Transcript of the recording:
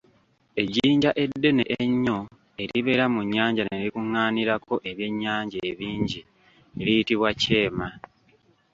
Ejjinja eddene ennyo eribeera mu nnyanja ne likuŋaanirako ebyennyanja ebingi liyitibwa kyema.